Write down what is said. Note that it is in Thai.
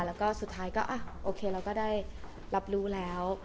แล้วก็สุดท้ายก็โอเคเราก็ได้รับรู้แล้ว